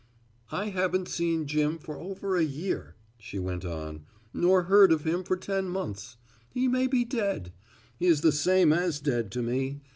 "I haven't seen Jim for over a year," she went on, "nor heard of him for ten months. He may be dead. He is the same as dead to me.